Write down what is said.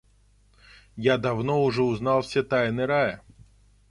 Я давно уже узнал все тайны рая.